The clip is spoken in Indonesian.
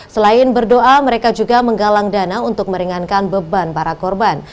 selain berdoa mereka juga menggalang dana untuk meringankan beban para korban